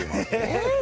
えっ！？